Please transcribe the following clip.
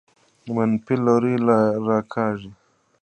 منفي لوري راکاږي.